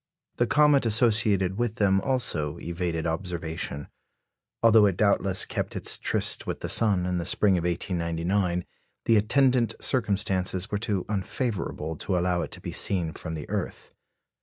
The comet associated with them also evaded observation. Although it doubtless kept its tryst with the sun in the spring of 1899, the attendant circumstances were too unfavourable to allow it to be seen from the earth.